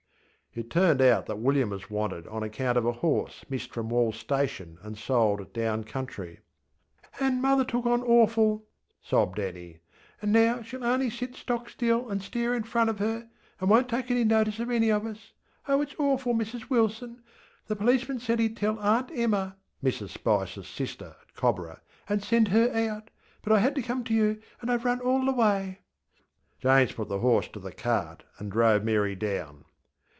ŌĆØŌĆÖ It turned out that William was wanted on account of a horse missed from WallŌĆÖs station and sold down country. ŌĆśAnŌĆÖ mother took on awful, ŌĆÖ sobbed Annie; ŌĆÖanŌĆÖ now sheŌĆÖll only sit stock still anŌĆÖ stare in front of her, and wonŌĆÖt take no notice of any of us. Oh! itŌĆÖs awful, Mrs Wilson. The policeman said heŌĆÖd tell Aunt EmmaŌĆÖ (Mrs SpicerŌĆÖs sister at Cobborah), ŌĆÖand send her out. But I had to come to you, anŌĆÖ IŌĆÖve run all the way. ŌĆÖ James put the horse to the cart and drove Mary down.